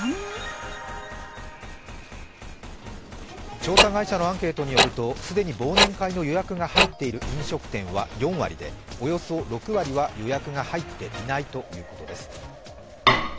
調査会社のアンケートによると、既に忘年会の予約が入っている飲食店は４割でおよそ６割は予約が入っていないということです。